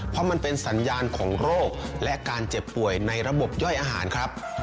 เพราะมันเป็นสัญญาณของโรคและการเจ็บป่วยในระบบย่อยอาหารครับ